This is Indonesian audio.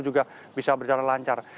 juga bisa berjalan lancar